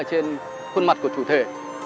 trên khuôn mặt của chủ thể